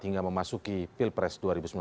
hingga memasuki pilpres dua ribu sembilan belas